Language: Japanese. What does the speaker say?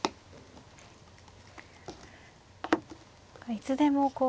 いつでもこう５